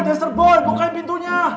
mister boy bukain pintunya